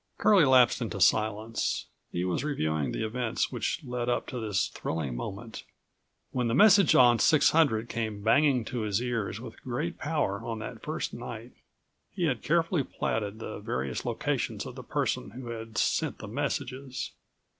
Curlie lapsed into silence. He was reviewing the events which led up to this thrilling moment. When the message on 600 came banging to his ears with great power on that first night, he had carefully platted the various locations of the person who had sent the messages.